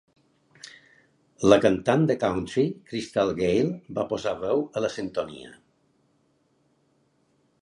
La cantant de "country" Crystal Gayle va posar veu a la sintonia.